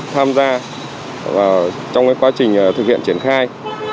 tham gia trong quá trình thực hiện triển khai